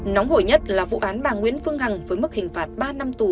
nóng hổi nhất là vụ án bà nguyễn phương hằng với mức hình phạt ba năm tù